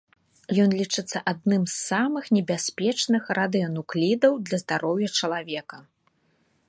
Ён лічыцца адным з самых небяспечных радыенуклідаў для здароўя чалавека.